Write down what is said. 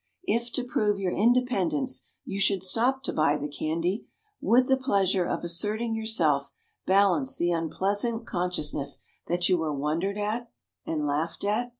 If to prove your independence you should stop to buy the candy, would the pleasure of asserting yourself balance the unpleasant consciousness that you were wondered at and laughed at?